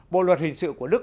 bộ luật hình sự của đức